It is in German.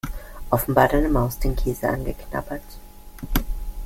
Offenbar hat eine Maus den Käse angeknabbert.